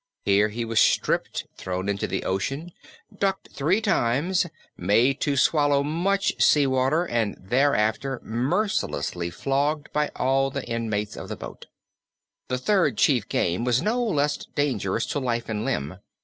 Here he was stripped thrown into the ocean, ducked three times, made to swallow much sea water, and thereafter mercilessly flogged by all the inmates of the boats. The third chief game was no less dangerous to life and limb.